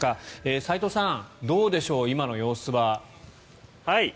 齋藤さん、どうでしょう今の様子は。